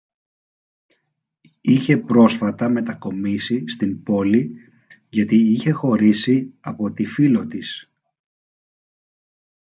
είχε πρόσφατα μετακομίσει στην πόλη γιατί είχε χωρίσει από τη φίλο της